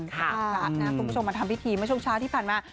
คุณผู้ชมมาทำพิธีมาช่วงเช้าที่ผ่านมา